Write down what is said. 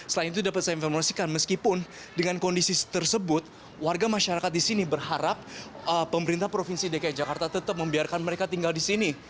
selain itu dapat saya informasikan meskipun dengan kondisi tersebut warga masyarakat di sini berharap pemerintah provinsi dki jakarta tetap membiarkan mereka tinggal di sini